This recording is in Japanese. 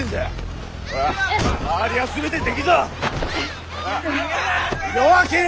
ほら周りは全て敵ぞ！